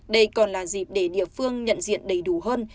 đây còn là dịp để địa phương nhận diện đầy đủ hơn